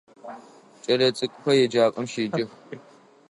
Кӏэлэцӏыкӏухэр еджапӏэм щеджэх.